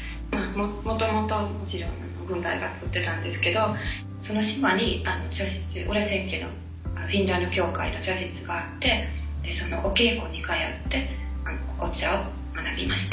もともともちろん軍隊が使ってたんですけどその島に茶室裏千家のフィンランド協会の茶室があってお稽古に通ってお茶を学びました。